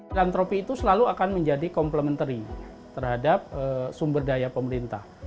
filantropi itu selalu akan menjadi complementary terhadap sumber daya pemerintah